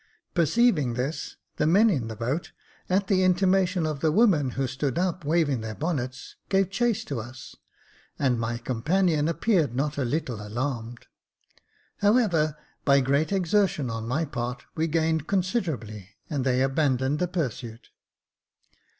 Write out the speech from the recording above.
Perceiving this, the men in the boat, at the intimation of the women, who stood up, waving their bonnets, gave chase to us, and my companion appeared not a little alarmed. However, by great exertion on my part, we gained considerably, and they abandoned the pursuit.